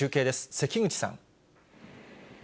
関口さん。